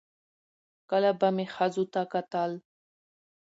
کله به مې ښځو ته کتل